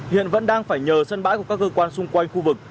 hiện vẫn đang phải nhờ sân bãi của các cơ quan xung quanh khu vực